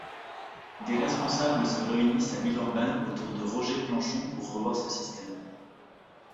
Des responsables se réunissent à Villeurbanne autour de Roger Planchon pour revoir ce système.